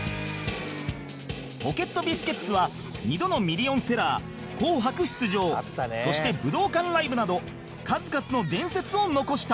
ポケットビスケッツは２度のミリオンセラー『紅白』出場そして武道館ライブなど数々の伝説を残した